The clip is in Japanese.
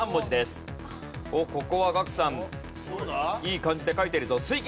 おっここはガクさんいい感じで書いてるぞ。